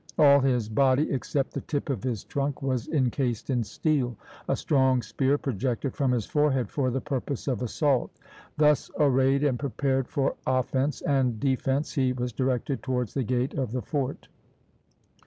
All his body except the tip of his trunk was encased in steel. A strong spear projected from his forehead for the purpose of assault. Thus arrayed and prepared for offence and defence, he was directed towards the gate of the fort.